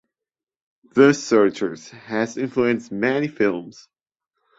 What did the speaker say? "The Searchers" has influenced many films.